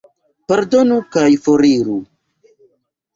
Pardonu kaj foriru.